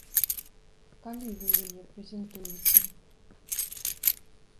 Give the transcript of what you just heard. Калі вы яе прэзентуеце?